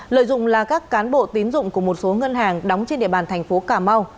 lợi dụng là các cán bộ tín dụng của một số ngân hàng đóng trên địa bàn thành phố cà mau